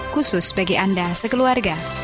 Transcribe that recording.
khusus bagi anda sekeluarga